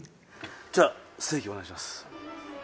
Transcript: じゃあステーキお願いします。